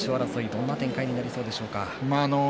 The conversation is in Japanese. どんな展開になりそうでしょうか。